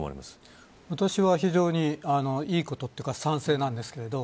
私は非常にいいことというか賛成です。